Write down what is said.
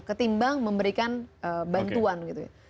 ketimbang memberikan bantuan gitu ya